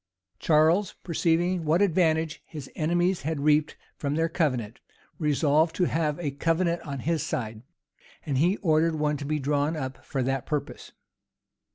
Charles, perceiving what advantage his enemies had reaped from their covenant, resolved to have a covenant on his side; and he ordered one to be drawn up for that purpose.